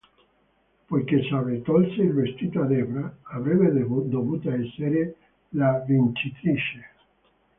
Poiché Sable tolse il vestito a Debra, avrebbe dovuta essere la vincitrice.